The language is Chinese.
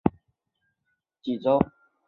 唐朝武德四年属济州。